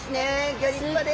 ギョ立派です。